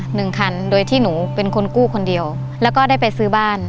หนึ่งคันโดยที่หนูเป็นคนกู้คนเดียวแล้วก็ได้ไปซื้อบ้าน